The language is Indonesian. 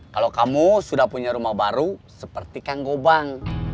kalau kamu sudah punya rumah baru seperti kang gobang